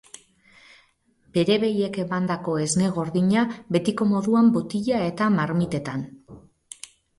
Bere behiek emandako esne gordina, betiko moduan botila eta marmitetan.